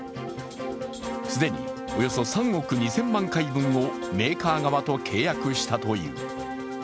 既におよそ３億２０００万回分をメーカー側と契約したという。